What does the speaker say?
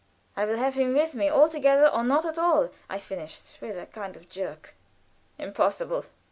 "I will have him with me altogether, or not at all," I finished, with a kind of jerk. "Impossible!"